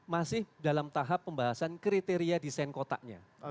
masih dalam tahap pembahasan kriteria desain kotaknya